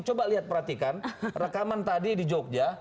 coba lihat perhatikan rekaman tadi di jogja